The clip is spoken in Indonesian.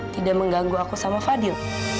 tidak mengganggu aku sama fadil